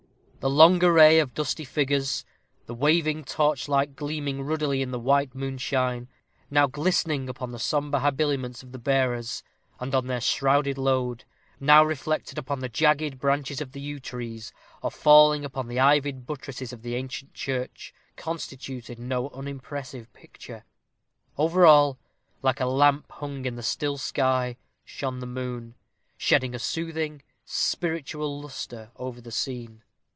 The long array of dusky figures the waving torchlight gleaming ruddily in the white moonshine now glistening upon the sombre habiliments of the bearers, and on their shrouded load, now reflected upon the jagged branches of the yew trees, or falling upon the ivied buttresses of the ancient church, constituted no unimpressive picture. Over all, like a lamp hung in the still sky, shone the moon, shedding a soothing, spiritual lustre over the scene.